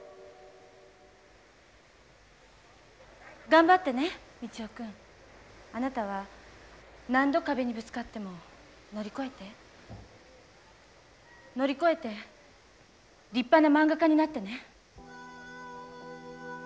頑張ってね道雄くん。あなたは何度壁にぶつかっても乗り越えて乗り越えて立派なまんが家になってね。